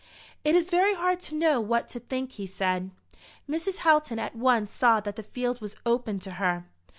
"It is very hard to know what to think," he said. Mrs. Houghton at once saw that the field was open to her.